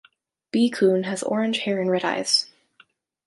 B-kun has orange hair and red eyes.